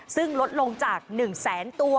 ซึ่งลดลงจาก๑แสนตัว